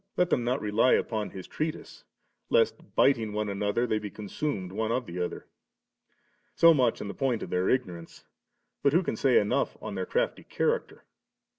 % 18, ii let them not rely upon his treatise, lest, * biting one another, they be consumed one of another «<>.• So much on the point of their ignorance ; but who can say enough on their crafty character?